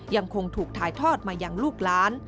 ยังคงถูกถ่ายทอดมายังลูกล้าน